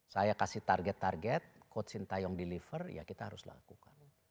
saya kasih target target coach sintayong deliver ya kita harus lakukan